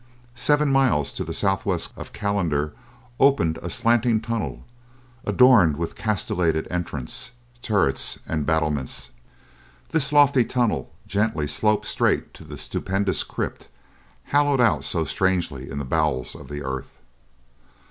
Seven miles to the southwest of Callander opened a slanting tunnel, adorned with a castellated entrance, turrets and battlements. This lofty tunnel gently sloped straight to the stupendous crypt, hollowed out so strangely in the bowels of the earth.